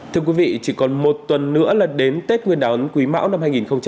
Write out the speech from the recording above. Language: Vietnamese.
thưa quý vị chỉ còn một tuần nữa là đến tết nguyên đán quý mão năm hai nghìn hai mươi